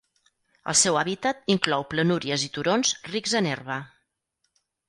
El seu hàbitat inclou planúries i turons rics en herba.